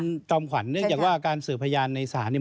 คุณจอมขวัญเนื่องจากว่าการสืบพยานในศาลเนี่ย